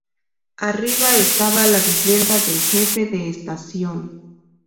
Arriba estaba la vivienda del jefe de estación.